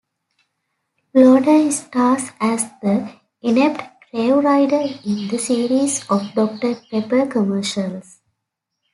Lowder stars as the inept "Crave Rider" in the series of Doctor Pepper commercials.